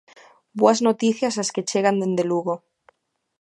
Boas noticias as que chegan dende Lugo.